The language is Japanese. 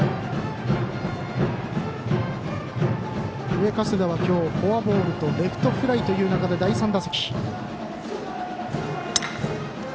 上加世田は今日フォアボールとレフトフライという中で第３打席。